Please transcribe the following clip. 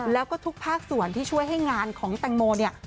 แล้วก็ทุกภาคส่วนที่ช่วยให้งานของแตงโมเนี่ย